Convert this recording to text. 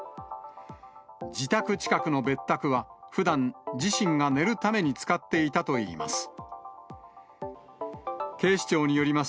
自宅近くの別宅は、ふだん、自身が寝るために使っていたといいます。